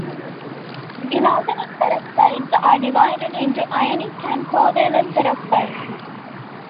Inorganic peroxides are divided into ionic and covalent peroxide.